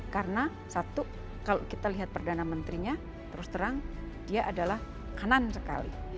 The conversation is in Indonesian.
karena satu kalau kita lihat perdana menterinya terus terang dia adalah kanan sekali